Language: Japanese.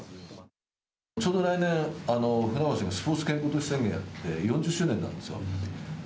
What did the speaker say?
ちょうど来年、船橋でスポーツ啓蒙セミナーをやって４０周年なんですよ。